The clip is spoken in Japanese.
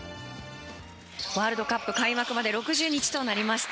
ワールドカップ開幕まで６０日となりました。